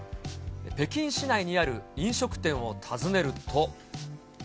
北京市内にある飲食店を訪ねると。